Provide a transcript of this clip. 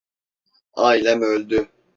Ailem öldü.